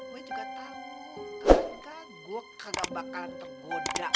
gue juga tahu kalau nggak gue kagak bakalan tergoda